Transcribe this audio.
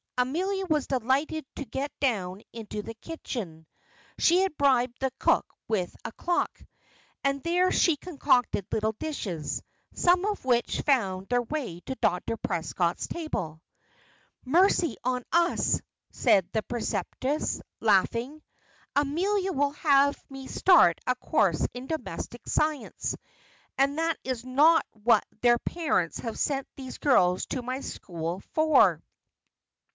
Amelia was delighted to get down into the kitchen (she had bribed the cook with a clock) and there she concocted little dishes, some of which found their way to Dr. Prescott's table. "Mercy on us!" said the preceptress, laughing. "Amelia will have me start a course in domestic science; and that is not what their parents have sent these girls to my school for."